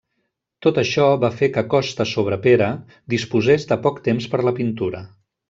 Tot això va fer que Costa Sobrepera disposés de poc temps per la pintura.